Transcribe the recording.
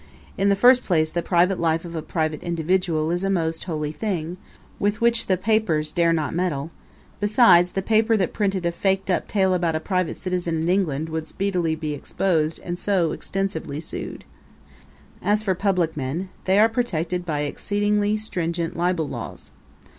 In the first place the private life of a private individual is a most holy thing, with which the papers dare not meddle; besides, the paper that printed a faked up tale about a private citizen in England would speedily be exposed and also extensively sued. As for public men, they are protected by exceedingly stringent libel laws.